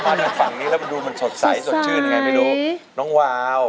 พอมาทางฝั่งนี้แล้วดูมันสดใสสดชื่นไปดูน้องวาว